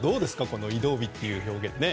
この移動日という表現は。